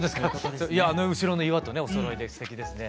あの後ろの岩とおそろいですてきですね。